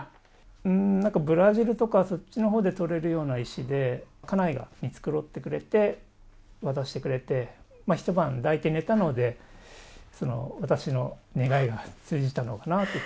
なんかブラジルとか、そっちのほうで採れるような石で、家内が見繕ってくれて渡してくれて、一晩抱いて寝たので、私の願いが通じたのかなっていう。